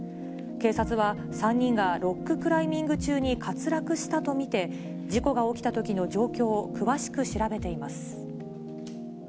警察は、３人がロッククライミング中に滑落したと見て、事故が起きたときの状況を詳しく調べています。